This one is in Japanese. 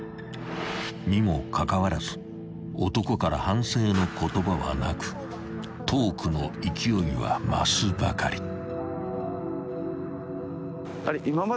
［にもかかわらず男から反省の言葉はなくトークの勢いは増すばかり］